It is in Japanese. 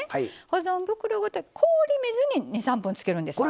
保存袋ごと氷水に２３分つけるんです。